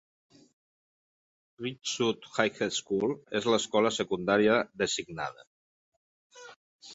Rich South High School és l'escola secundària designada.